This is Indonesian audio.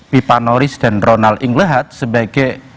pipa norris dan ronald inglehart sebagai